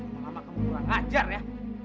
bila kamu mau mengajar ya